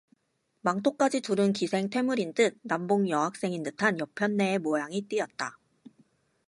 망토까지 두른 기생 퇴물인 듯 난봉 여학생인 듯한 여편네의 모양이 띄었다